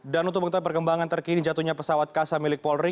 dan untuk mengenai perkembangan terkini jatuhnya pesawat kasa milik polri